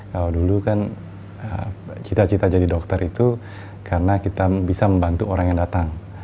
kalau dulu kan cita cita jadi dokter itu karena kita bisa membantu orang yang datang